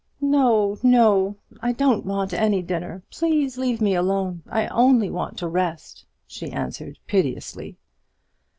"No, no; I don't want any dinner. Please, leave me alone. I only want to rest," she answered, piteously.